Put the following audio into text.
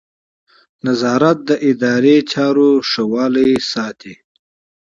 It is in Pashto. نظارت د اداري چارو ښه والی ساتي.